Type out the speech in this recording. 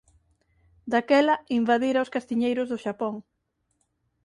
Daquela invadira os castiñeiros do Xapón.